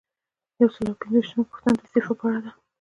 یو سل او پنځه ویشتمه پوښتنه د استعفا په اړه ده.